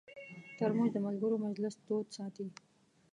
ترموز د ملګرو مجلس تود ساتي.